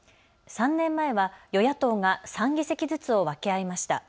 ３年前は与野党が３議席ずつを分け合いました。